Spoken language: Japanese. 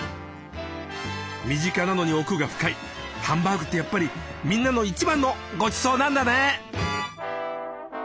身近なのに奥が深いハンバーグってやっぱりみんなの一番のごちそうなんだね。